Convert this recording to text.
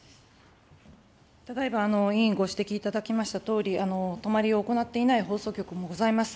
ただいま委員ご指摘いただきましたとおり、泊まりを行っていない放送局もございます。